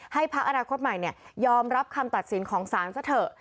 พักอนาคตใหม่ยอมรับคำตัดสินของศาลซะเถอะ